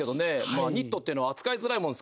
まあニットっていうのは扱いづらいもんですから。